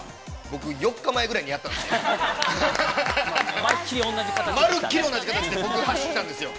僕４日前ぐらいにやったんですよ。